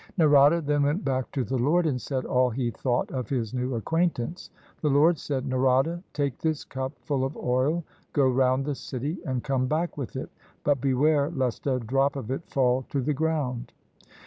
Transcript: Narada then went back to the Lord and said all he thought of his new acquaintance. The Lord said, " Narada, take this cup full of oil, go round the city and come back with it, but beware lest a drop of it fall to the ground."